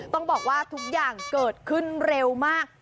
ต้องบอกว่าทุกอย่างเกิดขึ้นเร็วมาก